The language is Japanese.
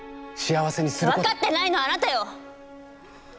分かってないのはあなたよ！